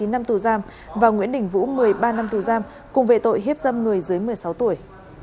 chín năm tù giam và nguyễn đình vũ một mươi ba năm tù giam cùng về tội hiếp dâm người dưới một mươi sáu tuổi